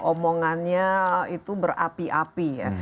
omongannya itu berapi api ya